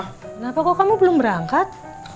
kenapa kok kamu belum berangkat